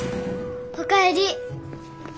お帰り。